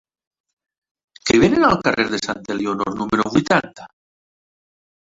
Què venen al carrer de Santa Elionor número vuitanta?